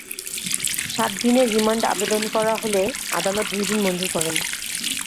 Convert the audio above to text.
সাত দিনের রিমান্ড আবেদন করা হলে আদালত দুই দিন মঞ্জুর করেন।